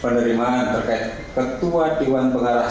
penerimaan terkait ketua diwan pengarah